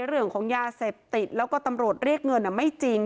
เรื่องของยาเสพติดแล้วก็ตำรวจเรียกเงินไม่จริง